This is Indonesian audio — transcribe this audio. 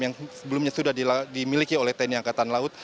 yang sebelumnya sudah dimiliki oleh tni angkatan laut